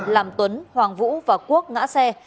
làm tuấn hoàng vũ và quốc ngã xe